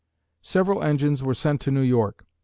Several engines were sent to New York.